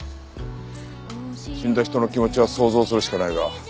死んだ人の気持ちは想像するしかないが。